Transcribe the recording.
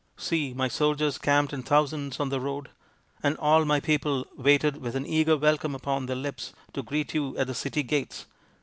See, my soldiers camped in thousands on the road, and all my people waited with an eager welcome upon their lips to greet you at the city gates.